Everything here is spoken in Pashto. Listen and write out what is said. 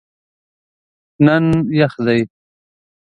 نن یخ دی